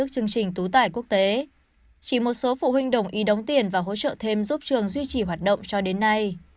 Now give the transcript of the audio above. chỉ một số phụ huynh đồng ý đóng tiền và hỗ trợ thêm giúp trường duy trì hoạt động cho đến nay